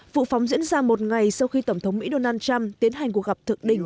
vụ phóng diễn ra một ngày sau khi tổng thống mỹ donald trump tiến hành cuộc gặp thực định